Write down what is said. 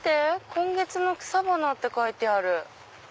「今月の草花」って書いてある。